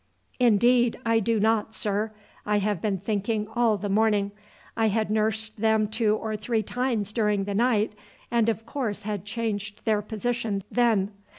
"Indeed, I do not, sir; I have been thinking all the morning. I had nursed them two or three times during the night, and of course had changed their position then.